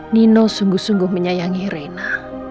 nino sungguh sungguh menyayangi reina